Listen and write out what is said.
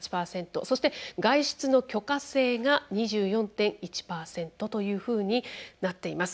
そして「外出の許可制」が２４．１％というふうになっています。